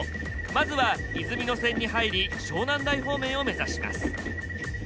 まずはいずみ野線に入り湘南台方面を目指します。